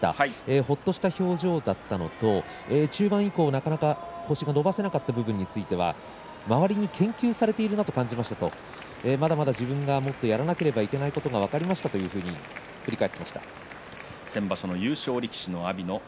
ほっとした表情だったことを中盤以降はなかなか星が残せなかった分については周りに研究されているんだと感じましたとまだまだ自分がもっとやらなければいけないことが分かりましたと振り返っていました。